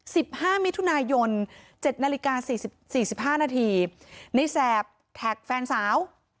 สิบห้ามิถุนายนเจ็ดนาฬิกาสี่สิบสี่สิบห้านาทีในแสบแท็กแฟนสาว